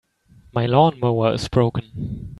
My lawn-mower is broken.